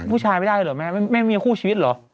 ผู้ชายไม่ได้เลยเหรอแม่เมียคู่ชีวิตเหรอ